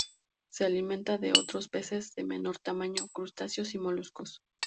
Se alimenta de otros peces de menor tamaño, crustáceos y moluscos.